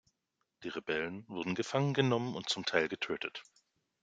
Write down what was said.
Die Rebellen wurden gefangen genommen und zum Teil getötet.